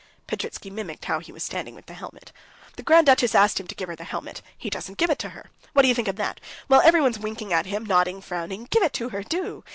(Petritsky mimicked how he was standing with the helmet.) "The Grand Duchess asked him to give her the helmet; he doesn't give it to her. What do you think of that? Well, everyone's winking at him, nodding, frowning—give it to her, do!